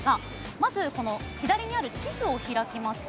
まず、左にある地図を開きます。